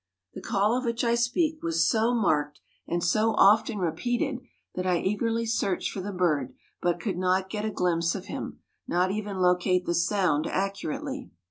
The call of which I speak was so marked and so often repeated that I eagerly searched for the bird, but could not get a glimpse of him, nor even locate the sound accurately.